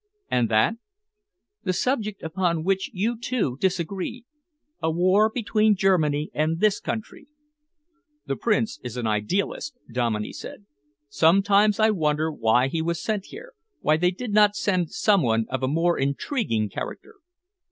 "And that?" "The subject upon which you two disagree a war between Germany and this country." "The Prince is an idealist," Dominey said. "Sometimes I wonder why he was sent here, why they did not send some one of a more intriguing character."